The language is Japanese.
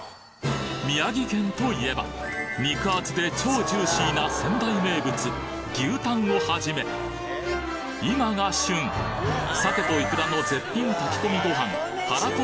宮城県といえば肉厚で超ジューシーな仙台名物牛タンをはじめ今が旬鮭とイクラの絶品炊き込みご飯